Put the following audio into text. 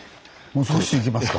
もう少し行きますか。